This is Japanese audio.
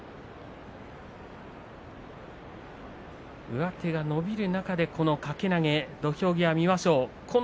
上手が伸びる中でこの掛け投げ土俵際を見ましょう。